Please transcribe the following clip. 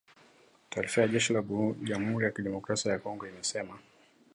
Taarifa ya jeshi la Jamhuri ya kidemokrasia ya Kongo imesema.